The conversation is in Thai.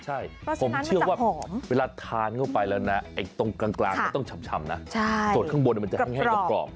ใช่ผมเชื่อว่าเวลาทานเข้าไปแล้วนะไอ้ตรงกลางมันต้องชำนะส่วนข้างบนมันจะแห้งกรอบ